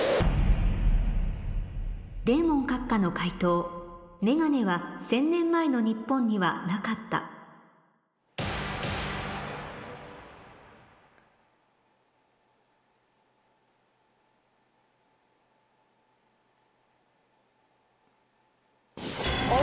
デーモン閣下の解答メガネは１０００年前の日本にはなかったお！